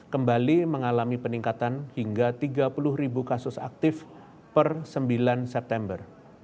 kembali mengalami peningkatan hingga tiga puluh ribu kasus aktif per sembilan september